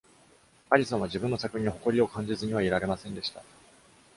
アリソンは自分の作品に誇りを感じずにはいられませんでした。